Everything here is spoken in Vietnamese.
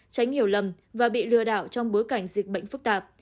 tránh hiểu lầm và bị lừa đảo trong bối cảnh dịch bệnh phức tạp